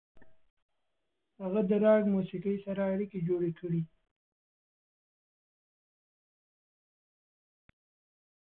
هغه د راک موسیقۍ سره اړیکې جوړې کړې.